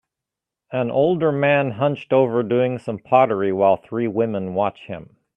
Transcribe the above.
An older man hunched over doing some pottery while three woman watch him.